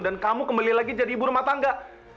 dan kamu kembali lagi jadi ibu rumah tangga